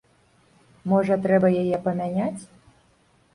Можа трэба яе памяняць?